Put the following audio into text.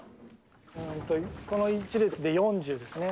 この１列で４０ですね。